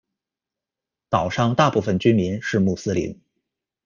岛上大部分居民是穆斯林。